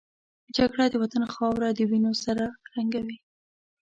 جګړه د وطن خاوره د وینو سره رنګوي